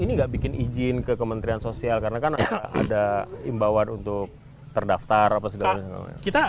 ini nggak bikin izin ke kementerian sosial karena kan ada imbauan untuk terdaftar apa segala macam